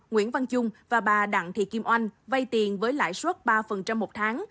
nguyễn văn trung và bà đặng thị kim oanh vay tiền với lãi suất ba một tháng